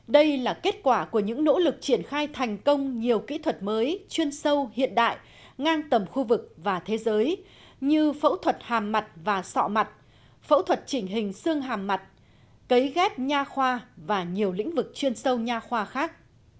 đây là kết quả của những nỗ lực triển khai thành công nhiều kỹ thuật mới chuyên sâu hiện đại ngang tầm khu vực và thế giới như phẫu thuật hàm mặt và sọ mặt phẫu thuật chỉnh hình xương hàm mặt cấy ghép nha khoa và nhiều lĩnh vực chuyên sâu nha khoa khác